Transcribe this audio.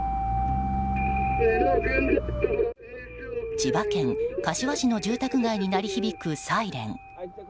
千葉県柏市の住宅街に鳴り響くサイレン。